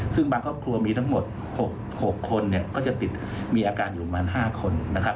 ซึ่งบางครอบครัวมีทั้งหมด๖คนก็จะมีอาการอยู่ประมาณ๕คน